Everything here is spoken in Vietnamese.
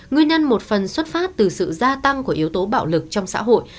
nguyên nhân một phần xuất phát từ sự gia tăng của yếu tố bạo lực trong xã hội